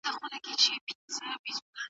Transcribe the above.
د مرګ کاڼي ووروي